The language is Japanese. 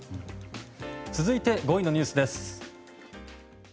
続いて５位のニュースです。